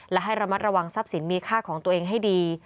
และให้ระมัดระวังทรัพย์สินมีค่าของตัวเองให้ดี